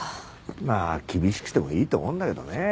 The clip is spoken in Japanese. まあ厳しくてもいいと思うんだけどね。